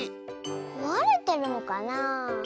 こわれてるのかな？